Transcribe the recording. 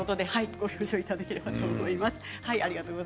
ご了承いただければと思います。